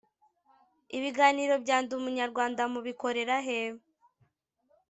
Ibiganiro bya Ndi Umunyarwanda mu bikorerahe.